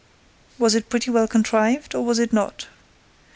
"Was it pretty well contrived, or was it not?